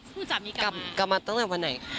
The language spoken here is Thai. คุณสามีกลับมากลับมาตั้งแต่วันไหน